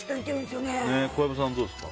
小籔さん、どうですか？